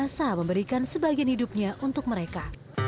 membuatnya bisa memberikan sebagian hidupnya untuk mereka